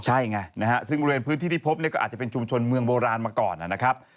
ใช่ไงนะฮะซึ่งบริเวณพื้นที่ที่พบเนี่ยก็อาจจะเป็นชุมชนเมืองโบราณมาก่อนนะครับ